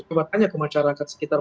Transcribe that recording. coba tanya ke masyarakat sekitar